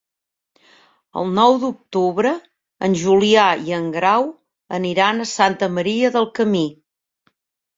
El nou d'octubre en Julià i en Grau aniran a Santa Maria del Camí.